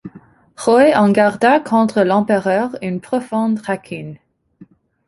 Roy en garda contre l'empereur une profonde rancune.